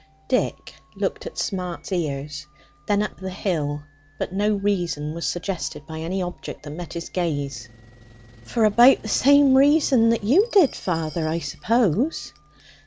Dick looked at Smart's ears, then up the hill; but no reason was suggested by any object that met his gaze. "For about the same reason that you did, father, I suppose."